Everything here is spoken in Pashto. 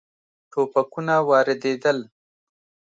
ټوپکونه واردېدل.